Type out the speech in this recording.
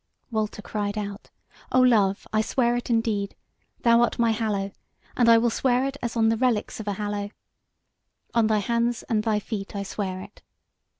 Walter cried out: "O love, I swear it indeed! thou art my Hallow, and I will swear it as on the relics of a Hallow; on thy hands and thy feet I swear it."